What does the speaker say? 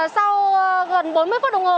sau gần bốn mươi phút đồng hồ